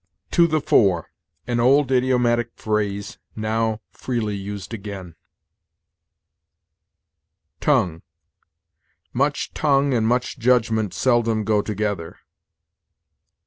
TO THE FORE. An old idiomatic phrase, now freely used again. TONGUE. "Much tongue and much judgment seldom go together."